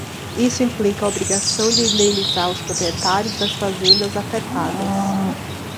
Isso implica a obrigação de indenizar os proprietários das fazendas afetadas.